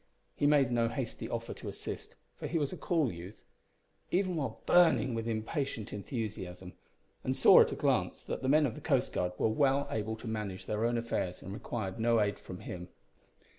He made no hasty offer to assist, for he was a cool youth even while burning with impatient enthusiasm and saw at a glance that the men of the Coast Guard were well able to manage their own affairs and required no aid from him.